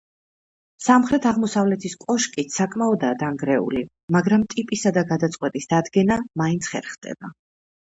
სამხრეთ-აღმოსავლეთის კოშკიც საკმაოდაა დანგრეული, მაგრამ ტიპისა და გადაწყვეტის დადგენა მაინც ხერხდება.